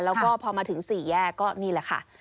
แล้วก็พอมาถึง๔แยกก็นี่แหละค่ะ